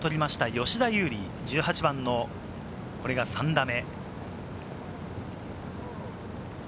吉田優利、１８番のこれが３打目。